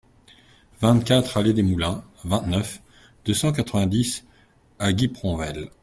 vingt-quatre allée des Moulins, vingt-neuf, deux cent quatre-vingt-dix à Guipronvel